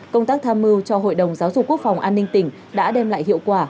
công tác tham mưu cho hội đồng giáo dục quốc phòng an ninh tỉnh đã đem lại hiệu quả